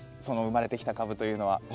その生まれてきた株というのは。